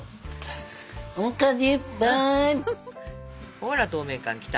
ほら透明感きた。